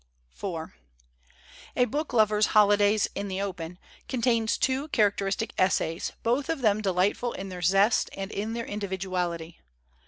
IV 'A BOOKLOVER'S HOLIDAYS IN THE OPEN' contains two characteristic essays, both of them delightful in their zest and in their individuality.